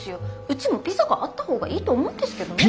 うちもピザがあった方がいいと思うんですけどね。